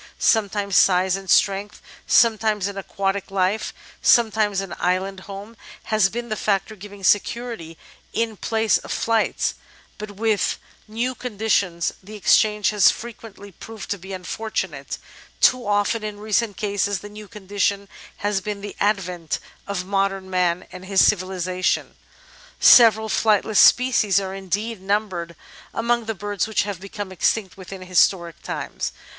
Sometimes size and strength, sometimes an aquatic life, sometimes an island home, has been the factor giving security in place of flight, but with new conditions the exchange has fre quently proved to be unfortunate : too often, in recent cases, the new condition has been the advent of modem Man and his civilisation. Several flightless species are indeed numbered among the birds which have become extinct within historic times.